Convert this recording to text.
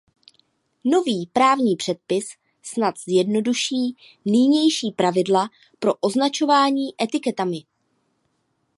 Nový právní předpis snad zjednoduší nynější pravidla pro označování etiketami.